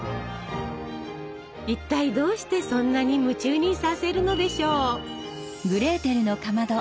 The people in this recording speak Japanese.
一体どうしてそんなに夢中にさせるのでしょう？